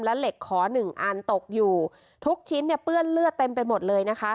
และเหล็กขอหนึ่งอันตกอยู่ทุกชิ้นเนี่ยเปื้อนเลือดเต็มไปหมดเลยนะคะ